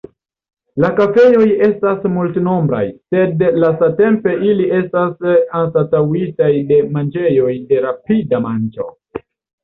La kafejoj estas multnombraj, sed lastatempe ili estas anstataŭitaj de manĝejoj de rapida manĝo.